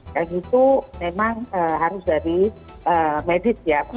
yang itu memang harus dari medis ya